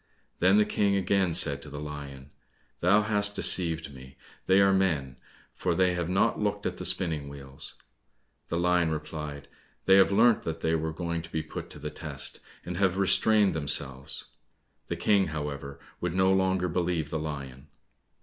Then the King again said to the lion, "Thou hast deceived me, they are men, for they have not looked at the spinning wheels." The lion replied, "They have learnt that they were going to be put to the test, and have restrained themselves." The King, however, would no longer believe the lion.